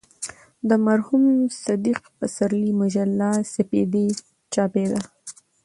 د مرحوم صدیق پسرلي مجله "سپېدې" چاپېده.